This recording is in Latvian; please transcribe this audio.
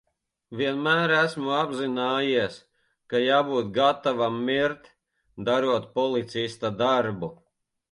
Vienmēr esmu apzinājies, ka jābūt gatavam mirt, darot policista darbu.